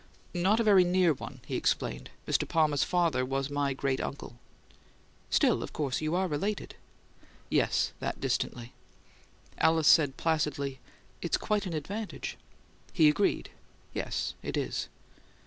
"Not a very near one," he explained. "Mr. Palmer's father was my great uncle." "Still, of course you are related." "Yes; that distantly." Alice said placidly, "It's quite an advantage." He agreed. "Yes. It is."